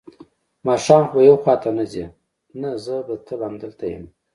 ماښام خو به یو خوا ته نه ځې؟ نه، زه به تل همدلته یم.